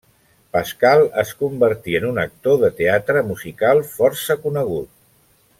Pascal es convertí en un actor de teatre musical força conegut.